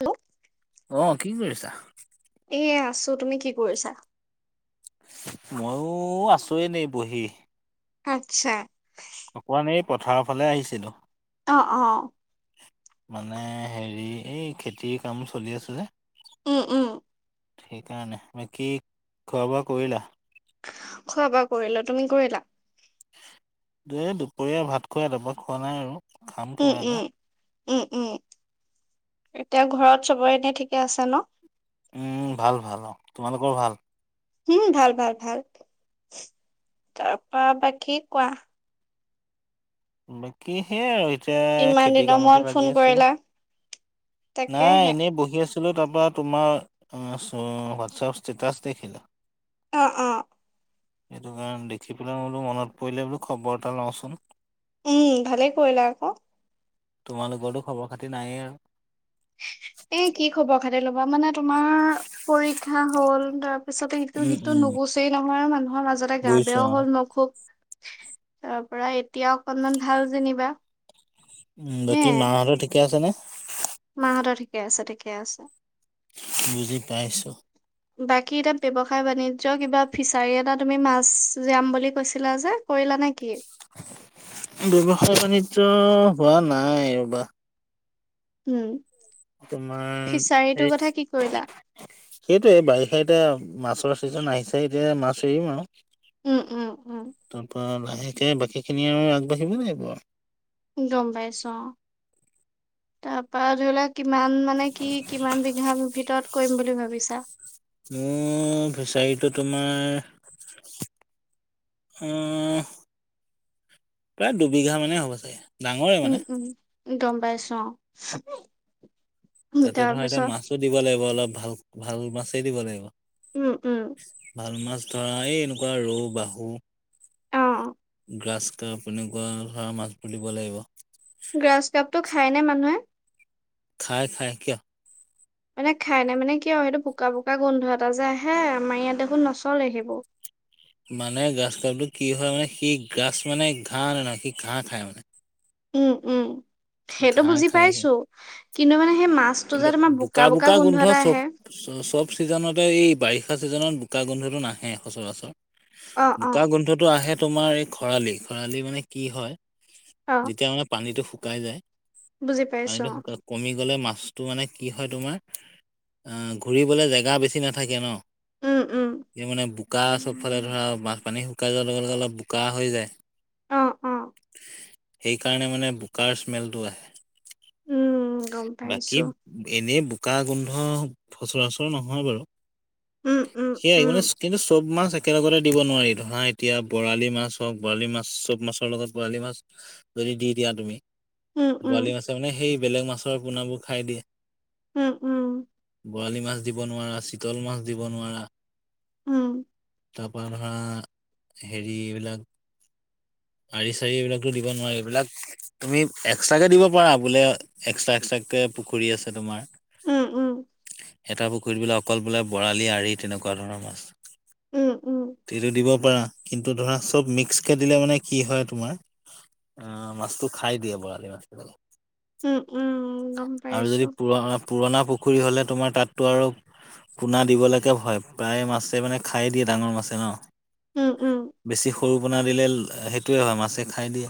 Hello অ', কি কৰিছা? এইয়া আছোঁ, তুমি কি কৰিছা? মইয়ো আছোঁ এনেই বহি। আতছা। অকমান এই পথাৰৰ ফালে আহিছিলোঁ। অ', অ'। মানে হেৰি, এই খেতিৰ কাম চলি আছিল যে। উম, উম। সেইকাৰণে বাকী খোৱা বোৱা কৰিলা? খোৱা বোৱা কৰিলোঁ, তুমি কৰিলা? এই দুপৰীয়া ভাত খোৱা, তাপা খোৱা নাই আৰু। খাম উম, কিবা এটা উম, উম, উম। তেওঁ ঘৰত চবৰে এনে ঠিকে আছে ন? উম, ভাল, ভাল অ', তোমালোকৰ ভাল? উম, ভাল ভাল ভাল, তাৰপা বাকী কোৱা। বাকী সেইয়াই আৰু এতিয়া ইমান খেতি দিনৰ মূৰত কামতে ফোন লাগি আছো। কৰিলা। নাই তাকেহে এনেই বহি আছো। তুমি তাৰপা তোমাৰ হোৱাটছআপ ষ্টেটাছ দেখিলো। অ'-অ'। সেইটো কাৰণে দেখি পেলাই বোলো মনত পৰিলে বোলো খবৰ এটা লওঁচোন। উম ভালেই কৰিলা আকৌ। তোমালোকৰটো খবৰ খাতি নায়ে আৰু। এ কি খবৰ খাতি ল'বা মানে তোমাৰ পৰীক্ষা হ'ল তাৰপিছতে ইটো উম, সিটো উম, নুগুচেই নহয় আৰু মানুহৰ মাজতে গা বুজিছো বেয়াও অ', হ'ল মোৰ অসুখ তাৰ পৰা এতিয়া অকনমান ভাল যেনিবা। উম, বাকী হে মাহঁতৰ ঠিকে আছে নে। মাহঁতৰ ঠিকে আছে- ঠিকে আছে। বুজি পাইছো। বাকী এতিয়া ব্যৱসায় বাণিজ্য কিবা ফিচাৰি এটা তুমি মাছ জিয়াম বুলি কৈছিলা যে কৰি লা নেকি। ব্যৱসায় বাণিজ্য হোৱা নাই ৰ'বা। উম, তোমাৰ ফিচাৰীটোৰ কথা কি কৰিলা। সেইটোৱে বাৰিষা এতিয়া মাছৰ ছিজন আহিছে এতিয়া মাছ এৰিম আৰু। উম উম-উম। তাকে বাকীখিনি আৰু আগবাঢ়িব লাগিব আৰু। গম পাইছো অ' তাৰপা ধৰি লওক কিমান মানে কি কিমান বিঘাৰ ভিতৰত কৰিম বুলি ভাবিছা। মোৰ ফিচাৰীটো তোমাৰ আ প্ৰায় দুবিঘা মানেই হ'ব চাগে। ডাঙৰে মানে। উম- উম গম পাইছো অ'। তাতে ধৰা এতিয়া তাৰপিছত মাছো দিব লাগিব অলপ ভাল- ভাল মাছেই দিব লাগিব। উম-উম। ভাল মাছ ধৰা এই এনেকুৱা ৰৌ, বাহু। অ'। গ্ৰাছ কাৰ্প তেনেকুৱা ধৰা মাছবোৰ দিব লাগিব। গ্ৰাছ কাপটো খায়নে মানুহে। খাই- খাই কিয়। মানে খাই নে মানে কি আৰু সেইটো বোকা- বোকা গোন্ধ এটা যে আহে আমাৰ ইয়াত দেখোন নচলে সেইবোৰ। মানে গ্ৰাছ কাৰ্পটো কি হয় মানে সি গ্ৰাছ মানে ঘাঁহ মানে সি ঘাঁহ খায় মানে। উম- উম সেইটো ঘাঁহ বুজি খায় সি পাইছো কিন্তু মানে সেই মাছটো যে কিন্তু তোমাৰ বোকা বোকা বোকা-বোকা গোন্ধ এটা আহে। চব- চব চিজনতে এই বাৰি ষা চিজনত বোকা গোন্ধটো নাহে সচৰাচৰ, অ', অ', বোকা গোন্ধটো আহে তোমাৰ এই খৰালি- খৰালি মানে কি হয় অ', যেতিয়া মানে পানীটো শুকাই যায় বুজি পাইছো পানীতো অ', শুকা কমি গ'লে মাছ টো মানে কি হয় তোমাৰ আ ঘূৰিবলে জেগা বেছি নাথাকে ন। উম, উম, সেই মানে বোকা চবফালে ধৰা বানপানী শুকাই যোৱাৰ লগে- লগে অলপ বোকা হৈ যায়। অ', অ', [inaudible] সেইকাৰণে মানে বোকাৰ স্মেলটো আহে উম, গম বা কী পাইছো। এনেই বোকা গোন্ধ সচৰাচৰ নহয় বাৰু। উম, উম, সেইয়াই উম, মানে কিন্তু চব মাছ একেলগতে দিব নোৱাৰি ধৰা এতিয়া বৰালি মাছ হওক বৰালি মাছ চব মাছৰ লগত বৰালি মাছ যদি দি দিয়া তুমি, উম, উম, বৰালি মাছে মানে সেই বেলেগ মাছৰ পোনাবোৰ খাই দিয়ে। উম-উম। বৰালি মাছ দিব নোৱাৰা, চিতল মাছ দিব নোৱাৰা। উম, তাৰ পৰা ধৰা হেৰি এইবিলাক আৰি চাৰি এইবিলাকতো দিব নোৱাৰি এইবিলাক তুমি এক্সট্ৰাকে দিব পাৰা। বোলে এক্সট্ৰা-এক্সট্ৰাকে পুখুৰী আছে তোমাৰ উম উম এটা পুখুৰীত বোলে অকল বোলে বৰালি আৰি তেনেকুৱা ধৰণৰ মাছ। উম, উম, উম, তেতিয়া দিব পাৰা। কিন্তু ধৰা চব মিক্সকে দিলে মানে কি হয় তোমাৰ অ' মাছটো খাই দিয়ে বৰালি মাছে। উম উম গম- আৰু পাইছো। যদি পুৰা, পুৰণা পুখুৰী হ'লে তোমাৰ তাততো আৰু পোনা দিবলৈকে ভয়, প্ৰায় মাছে মানে খাই দিয়ে ডাঙৰ মাছে ন' উম, উম, বেছি সৰু পোনা দিলে, সেইটোয়ে হয় মাছে খাই দিয়ে।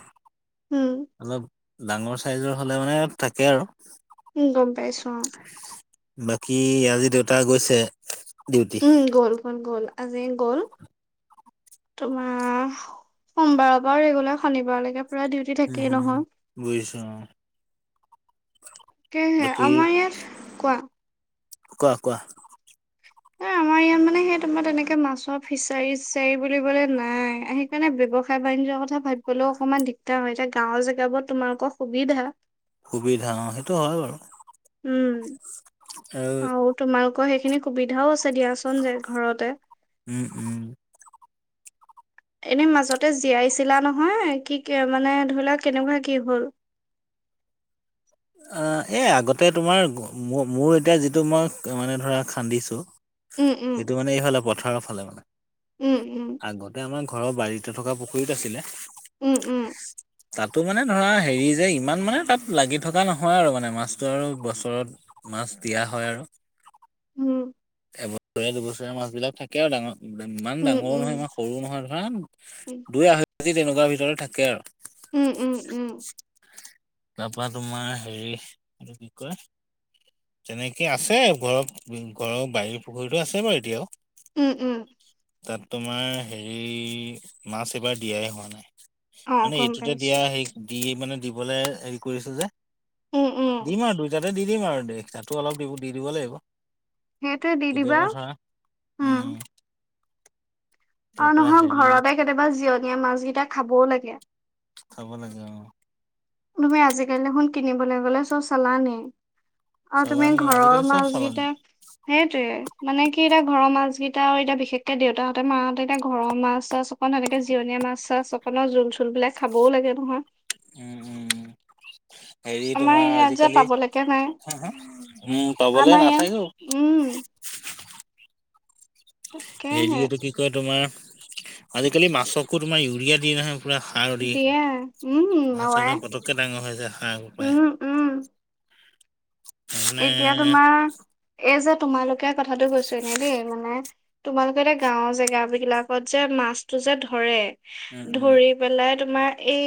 উম, অলপ ডাঙৰ চাইজৰ হ'লে মানে থাকে আৰু উম গম পাইছো অ'। বাকী আজি দেউতা গৈছে? ডিউটি উম, গ'ল, গ'ল, গ'ল আজি গ'ল। তোমাৰ সোমবাৰৰ পৰা ৰেগুলাৰ শনিবাৰলৈকে পুৰা ডিউটি উম থাকেই হুম হুম নহয়। বুজিছো অ সেহে, বাকী আমাৰ ইয়াত, কোৱা? কোৱা কোৱা! এ আমাৰ ইয়াত মানে সেই তোমাৰ তেনেকে মাছৰ ফিচাৰি-চিচাৰি বুলিবলে নাই সেইকাৰণে ব্যৱসায়-বাণিজ্য কথা ভাবিবলৈও অকণমান দিগদাৰ হয়। এতিয়া গাঁওৰ জেগাবোৰত তোমালোকৰ সুবিধা সুবিধা অ' সেইটো হয় বাৰু। উম আৰু তোমালোকৰ সেইখিনি সুবিধাও আছে। দিয়াচোন যে ঘৰতে উম, উম। [unintelligible] এনে মাজতে জীয়াইছিলা নহয়, কি, কি মানে ধৰি লোৱা কেনেকুৱা কি হ'ল? [inaudible] আ'এই আগতে তোমাৰ ম' মোৰ এতিয়া যিটো মই মানে ধৰা খান্দিছো উম উম এইটো মানে এইফালে পথাৰৰ ফালে মানে। উম আগতে আমাৰ ঘৰৰ বাৰীতে থকা পুখুৰীত আছিলে। উম উম তাতো মানে ধৰা হেৰি যে ইমান মানে তাত লাগি- থকা নহয় আৰু মানে মাছটো আৰু বছৰত মাছ দিয়া হয় আৰু উম এবছৰে দুবছৰে মাছবিলাক থাকে আৰু ডাঙৰ ইমান ডাঙৰো উম উম নহয় ইমান সৰু নহয় ধৰা উম দুই আঢ়ৈ কেজি তেনেকুৱা ভিতৰত থাকে আৰু উম, উম, উম তাৰপৰা তোমাৰ হেৰি এইটো কি কয় তেনেকে আছে ঘৰত, ঘৰৰ বাৰীৰ পুখুৰীতো আছে বাৰু এতিয়াও উম উম তাত তোমাৰ হেৰি, মাছ এইবাৰ দিয়াই হোৱা নাই। অ মানে গম এইটোতে পাইছো দিয়া, সেই দিয়ে- মানে দিবলে হেৰি কৰিছে যে, উম উম দিম আৰু দুইটাতে দি- ম আৰু দে, তাতো অলপ দিব দি দিব লাগিব। সেইটোৱে দি দিবা। কেতিয়াবা ধৰা উম তাৰ আৰু পৰা নহয় হেৰি ঘৰতে কেতিয়াবা জিয়ণীয়া মাছ কেইটা খাবও লাগে। খাব লাগে অ'। কোনোবাই আজিকালি দেখোন কিনিবলৈ গলে চব চালানী। আৰু তুমি চালানী ঘৰৰ আজিকালি চব মাছ চালানী কিটা, সেইটোৱে মানে কি এতিয়া ঘৰৰ মাছ কি- টাও আৰু এতিয়া বিশেষকে দেউতাহঁ, মাহঁতে এতিয়া ঘৰৰ মাছ-চাছ অকণ হেনেকে জিয়নীয়া মাছ-চাছ অকণৰ জোল-চোল বিলাক খাবও লাগে নহয়। উম উম, হেৰি আমাৰ তোমাৰ ইয়াত যে আজিকালি, পাবলৈকে নাই হা হা? উ'ম। পাবলৈ আমাৰ ইয়াত নাথাকো। উম হেৰি, তাকেহে এইটো কি কয়? তোমাৰ আজিকালি মাছকো তোমাৰ ইউৰিয়া দিয়ে নহয়। পুৰা সাৰ দি দিয়ে উম মাছ অ আই একদম পটকে ডাঙৰ হৈ যায় সাৰ পাই। উম উম এতিয়া তোমাৰ এই যে তোমালোকে কথাটো কৈছো এনে দেই মানে। তোমালোকে এতিয়া গাঁওৰ জেগা বিলাকত যে মাছতো যে উম ধৰে- উম ধৰি পেলাই তোমাৰ এই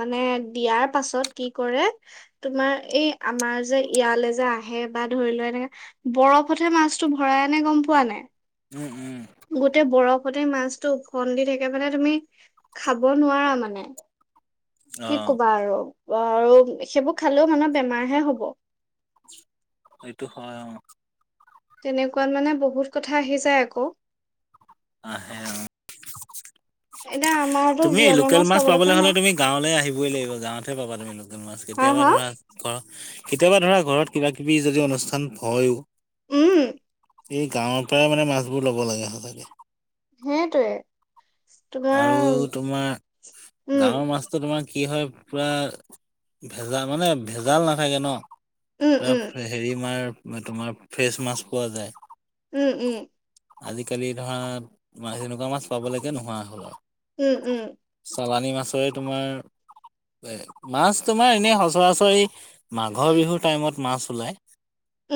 মানে দিয়াৰ পাছত কি কৰে? তোমাৰ এই আমাৰ যে ইয়ালে যে আহে বা ধৰি লোৱা এনেকে বৰফতহে মাছটো ভৰাই আনে গম পোৱা নাই। উম উম গোটেই বৰফ ওপৰতে মাছটো ওফন্দি থাকে মানে, তুমি খাব নোৱাৰা মানে। কি অ', ক'বা? আৰু আৰু সেইবোৰ খালেওঁ মানুহে বেমাৰহে হ'ব। সেটো হয়। অ'। তেনেকুৱাত মানে বহুত কথা আহি যায়। আকৌ। আহে। অ'। এতিয়া আমাৰতো তুমি জিয়ণী লোকেল মাছ পাবলৈকে পাবলৈ হ'লে নাই তুমি গাঁৱলৈ আহিবই লাগিব। গাঁৱতহে পাবা তুমি মাছ হা কেতিয়াবা হা ধৰা ঘৰত, কেতিয়াবা ধৰা ঘৰত কিবা কিবি যদি অনুষ্ঠান হয়য়ো। উ'ম। এই গাঁৱৰ পৰাই মানে মাছবোৰ ল'ব লাগে হয়নে। সেইটোৱে। আৰু তোমাৰ তোমাৰ উম গাঁৱৰ মাছটো তোমাৰ কি হয়? পুৰা ভেজাল মানে ভেজাল নাথাকে ন। উম উম ত, হেৰি মাৰ তোমাৰ ফ্ৰেছ মাছ পোৱা যায়। উ'ম, উ'ম। আজিকালি ধৰা মাছ এনেকুৱা মাছ পাবলৈকে নোহোৱা হ'ল আৰু উ'ম, উ'ম। চালানী মাছৰে তোমাৰ এ! মাছ তোমাৰ এনে সঁচৰাচৰি মাঘৰ বিহুৰ টাইমত মাছ ওলাই।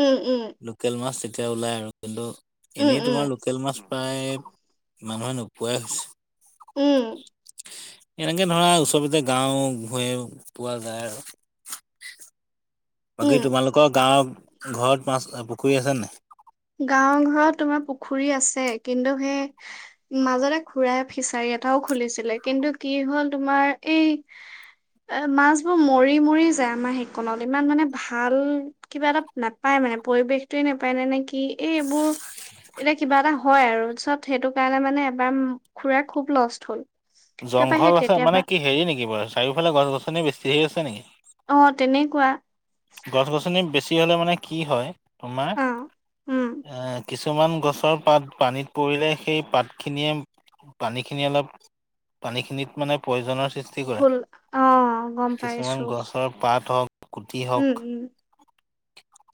উম উম লোকেল মাছ তেতিয়া ওলাই আৰু কিন্তু উম এনেই উম তোমাৰ লোকেল মাছ। প্ৰায়ে মানুহে নোপোৱাই হৈছে। উ'ম। এনেকে ধৰা ওচৰতে গাওঁ ভূয়ে পোৱা যায় আৰু উম বাকী তোমালোকৰ গাঁৱৰ ঘৰত মাছ পুখুৰী আছে নাই? গাঁওৰ ঘৰত তোমাৰ পুখুৰী আছে। কিন্তু সেই মাজতে খুৰাই ফিচাৰী এটাও খুলিছিলে। কিন্তু কি হ'ল? তোমাৰ এই এ! মাছ বোৰ মৰি মৰি যায় আমাৰ মাহেকনত ইমান মানে ভাল কিবা এটা নাপায়। মানে পৰিৱেশটোৱে নেপায় ন নে কি? এই এইবোৰ এতিয়া কিবা এটা হয় আৰু চব সেইটো কাৰণে মানে এবাৰ খুৰাৰ খুব লষ্ট হ'ল। তাৰপা জংঘল সেই আছে তেতিয়াৰ মানে পৰা কি হেৰি নেকি বাৰু চাৰিওফালে গছ গছনি বেছি হেৰি আছে নেকি? অ', তেনেকুৱা। গছ গছনি বেছি হলে মানে কি হয়, তোমাৰ অ' উম এ কিছুমান গছৰ পাত পানীত পৰিলে। সেই পাতখিনিয়ে পানীখিনি অলপ পানীখিনিত মানে পৈজনৰ সৃষ্টি কৰে। ভুল অ' গম কিছুমান পাইছো গছৰ পাত হওঁক। গুটি হওঁক উম উম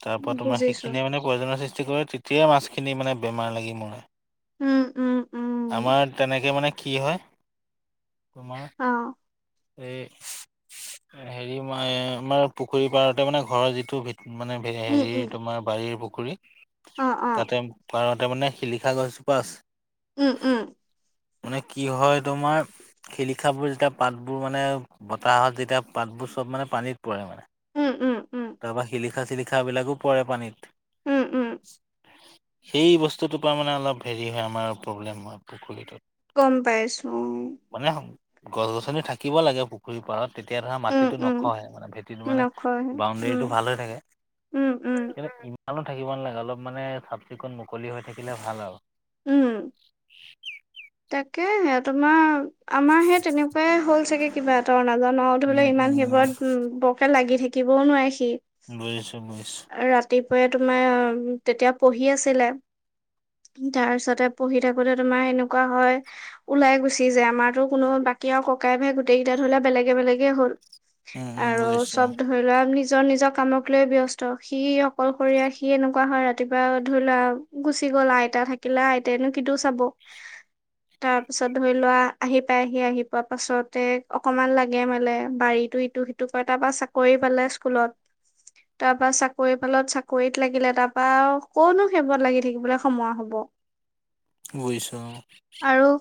তাৰ পৰা তোমাৰ বুজিছো সেইখিনিয়ে মানে পৈজন সৃষ্টি কৰে। তেতিয়াই মাছখিনি মানে বেমাৰ লাগি মৰে। উম উম উম আমাৰ তেনেকে মানে কি হয়? তোমাৰ। অ' এই হেৰি মই আমাৰ পুখুৰী পাৰতে মানে ঘৰৰ যিটো ভেটি মানে উম উম হেৰিৰ তোমাৰ বাৰীৰ পুখুৰী অ' অ' তাতে পাৰত। তাৰমানে শিলিখা গছজোপা আছে। উম উম মানে কি হয় তোমাৰ শিলিখাবোৰ যেতিয়া পাতবোৰ মানে বতাহত যেতিয়া পাতবোৰ চব মানে পানীত পৰে মানে উম উম উম তাৰপা শিলিখা চিলিখাবিলাকো পৰে পানীত উম উম সেই বস্তুটোৰ পৰা মানে অলপ হেৰি হয় আমাৰ প্ৰব্লেম হয় পুখুৰীটোত গম পাইছো গছ গছনি থাকিব লাগে পুখুৰীৰ পাৰত তেতিয়া ধৰা উম মাটিতটো নখহে মানে ভেটিটো উম মানে নকয় উম বাউণ্ডৰীটো ভাল হৈ থাকে উম উম কিন্তু ই ভালো থাকিব নালাগে অলপ মানে চাফ চিকুণ মুকলি হৈ থাকিলে ভাল আৰু উম তাকে সে তোমাৰ আমাৰ সে তেনেকুৱাই হ'ল চাগে কিবা এটা নাজানাওতো উম, বোলে ইমান উম, সেইবোৰত উম বৰকে লাগি থাকিবও নোৱাৰি বুজিছো বুজিছো ৰাতিপুৱাই তোমাৰ তেতিয়া পঢ়ি আছিলে তাৰ পিছতে পঢ়ি থাকোতে তোমাৰ এনেকুৱা একুৱা হয় ওলাই গুচি যায় আমাৰতো কোনো বাকী আৰু ককাই ভাই গোটেই কেইটা ধৰিলে বেলেগে বেলেগে হ'ল উম, উম, আৰু বুজিছো চব ধৰি লোৱা আমনি নিজৰ নিজৰ কামক লৈ ব্যস্ত সি অকলশৰীয়া সি এনেকুৱা হয় ৰাতিপুৱা ধৰি লোৱা গুচি গল আইতা থাকিলে আইতনো কিন্তুও চাব [inaudible] তাৰ পিছত ধৰি লোৱা আহি পাইহি আহি পোৱা পাছতে অকনমান লাগে মানে বাৰীতো ইটো সি ক তাৰ পৰা চাকৰি পালে স্কুলত তাৰ পৰা চাকৰি ফালত চাকৰিত লাগিলে তাৰ পৰাা কনো সেবোৰত লাগি থাকিবলৈ সময় হব বুজিছো অ আৰু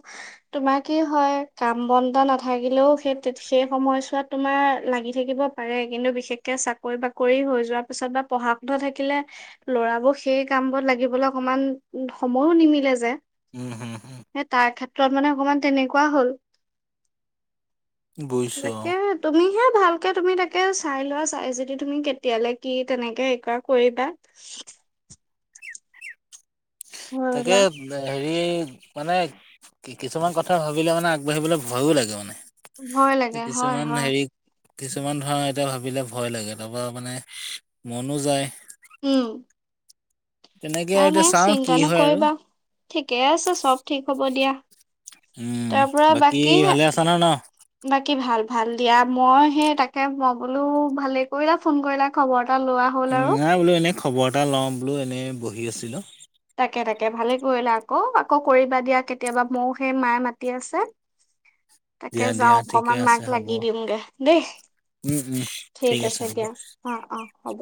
তোমাৰ কি হয় কাম বন্ধ নাথাকিলেও সেই সেই সময়ছোৱাত তোমাৰ লাগি থাকিব পাৰে কিন্তু বিশেষকে চাকৰি বাকৰি হৈ যোৱাৰ পিছত বা পঢ়া শুন থাকিলে লৰাবোৰ সেই কাম বোৰত লাগিবলৈ অকনমান সময়ো নিমিলে যে উম হুম হুম সেই তাৰ ক্ষেত্ৰত মানে অকণমান তেনেকুৱা হ'ল বুজিছো তাকে তুমিহে ভালকে তুমি তাকে চাই লোৱা চাই যদি তুমি কেতিয়ালে কি তেনেকে হে কৰা কৰিবা ভয় তাকে লোৱা হেৰি মানে কি কিছুমান কথা ভাবিলে মানে আগবাঢ়িবলৈ ভয়ো লাগে মানে ভয় লাগে হয় কিছুমান হয় হেৰি কিছুমান ধৰা এতিয়া ভাবিলে ভয় লাগে তাৰপৰা মানে মনো যায় উম তেনেকে নাই এতিয়া নাই চাওঁ কি চিন্তা হয় আৰু। নকৰিবা ঠিকে আছে চব ঠিক হব দিয়া উম, তাৰ পৰা বাকী বাকীে ভালে আছা ন ন? বাকী কি ভাল ভাল দিয়া মই সেই তাকে মই বোলো ভালে কৰিলা ফোন কৰিলা খবৰ এটা লোৱা হ'ল উম আৰু নাই বোলো এনে খবৰ এটা লওঁ বোলো এনেই বহি আছিলো তাকে তাকে ভালে কৰিলা আকৌ আকৌ কৰিবা দিয়া কেতিয়াবা মও সেই মায়ে মাতি আছে [inaudible] তাকে দিয়া যাওঁ দিয়া ঠিকে অকমান মাক আছে হ'ব। লাগি দিমগে দেই উম, উম, ঠিক আছে হ'ব। দিয়া অ অ হ'ব